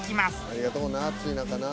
ありがとうな暑い中な。